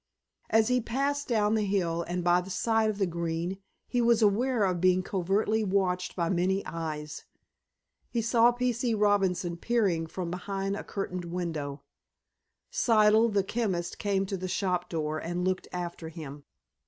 As he passed down the hill and by the side of the Green he was aware of being covertly watched by many eyes. He saw P. C. Robinson peering from behind a curtained window. Siddle, the chemist, came to the shop door, and looked after him.